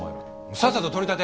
さっさと取り立て。